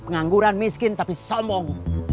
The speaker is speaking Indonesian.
pengangguran miskin tapi sombong